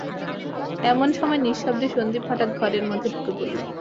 এমন সময় নিঃশব্দে সন্দীপ হঠাৎ ঘরের মধ্যে ঢুকে পড়ল।